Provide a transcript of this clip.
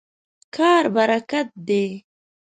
کار برکت دی.